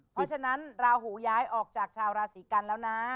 เพราะฉะนั้นราหูย้ายออกจากชาวราศีกันแล้วนะ